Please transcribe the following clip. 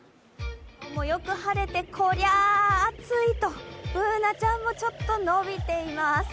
今日もよく晴れてこりゃ、暑いとＢｏｏｎａちゃんもちょっとのびています。